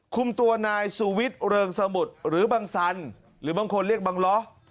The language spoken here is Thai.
คุมตัวนายสุวิทย์เริงสมุทรหรือบังสันหรือบางคนเรียกบังล้อ